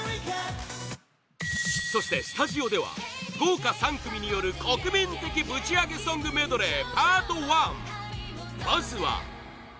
そして、スタジオでは豪華３組による国民的ぶちアゲソングメドレーＰａｒｔ